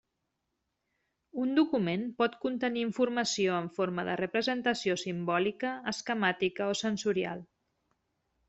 Un document pot contenir informació en forma de representació simbòlica, esquemàtica o sensorial.